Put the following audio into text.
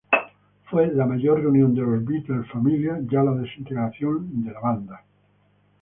Fue la mayor reunión de los Beatles "familia" ya la desintegración de la banda.